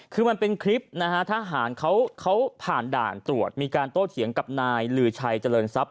คือมันเป็นคลิปนะฮะทหารเขาผ่านด่านตรวจมีการโต้เถียงกับนายลือชัยเจริญทรัพย